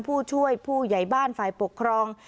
ผู้ช่วยผู้ใหญ่บ้านฝ่ายปกครอง